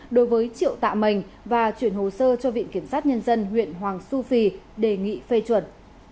đối với triệu tạ mình và chuyển hồ sơ cho viện kiểm sát nhân dân huyện hoàng su phi đề nghị phê chuẩn